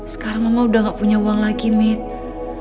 sekarang mama udah gak punya uang lagi mit